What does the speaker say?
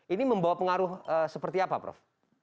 ini membawa pengaruh seperti apa prof